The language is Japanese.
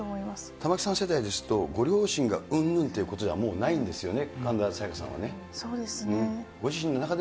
玉城さん世代ですと、ご両親がうんぬんということではもうないんですよね。